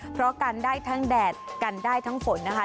เพราะกันได้ทั้งแดดกันได้ทั้งฝนนะคะ